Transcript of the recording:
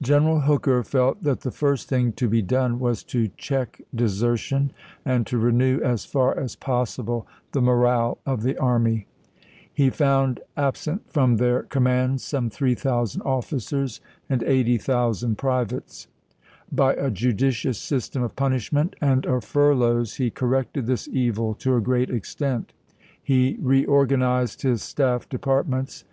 General Hooker felt that the first thing to be done was to check desertion and to renew, as far as possible, the morale of the army. He found absent from their com mands some 3000 officers, and 80,000 privates. By a judicious system of punishment and of furloughs he corrected this evil to a great extent. He reorgan ized his staff departments.